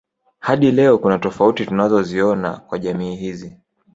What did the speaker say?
Hadi leo kuna tofuati tunaziona kwa jamii hizi